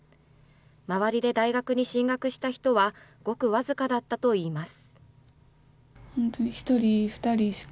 周りで大学に進学した人はごく僅かだったといいます。